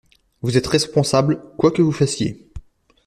Vous êtes responsables, quoi que vous fassiez.